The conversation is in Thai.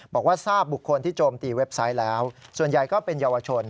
บอกว่าทราบบุคคลที่โจมตีเว็บไซต์แล้วส่วนใหญ่ก็เป็นเยาวชน